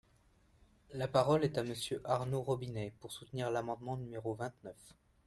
La parole est à Monsieur Arnaud Robinet, pour soutenir l’amendement numéro vingt-neuf.